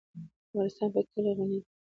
افغانستان په کلي غني دی.